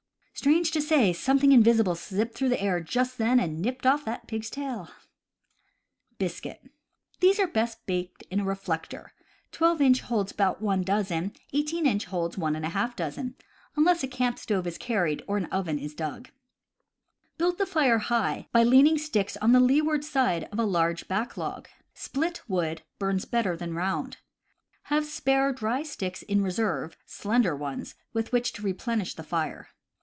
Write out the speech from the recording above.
Strange to say, something invisible zipped through the air just then and nipped off that pig's tail ! Biscuit. — These are best baked in a reflector (12 inch holds 1 doz., 18 inch holds 1^ doz.), unless a camp stove is carried or an oven is dug. Build the fire high, by leaning sticks on the leeward side of a large back log. Split wood burns better than round. Have spare dry sticks in reserve (slender ones) with which to re plenish the fire.